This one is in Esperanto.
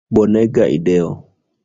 Bonega ideo!